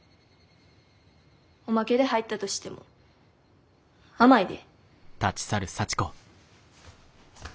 おまけで入ったとしても甘いで。